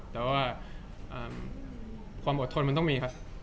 แต่ว่าความอดทนมันต้องมีครับ